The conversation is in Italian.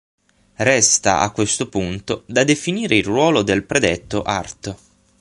Resta, a questo punto, da definire il ruolo del predetto art.